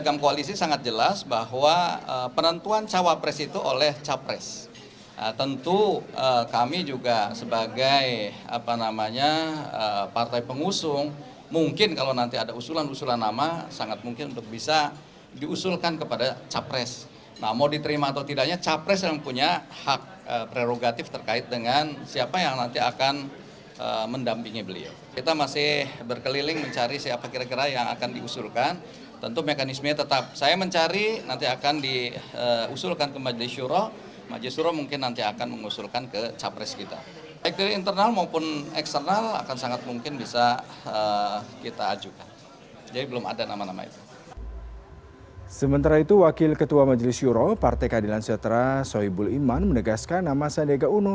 ketua majelis juro partai keadilan sejahtera soebul iman menegaskan nama sandega uno tersebut